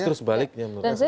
justru sebaliknya menurut saya